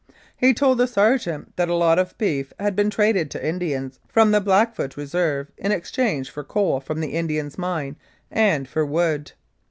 '* He told the sergeant that a lot of beef had been traded to Indians from the Blackfoot Reserve in exchange for coal from the Indians' mine and for wood.